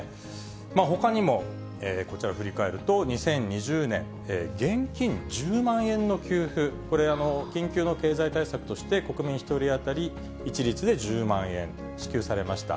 ほかにも、こちら振り返ると、２０２０年、現金１０万円の給付、これ、緊急の経済対策として、国民１人当たり一律で１０万円支給されました。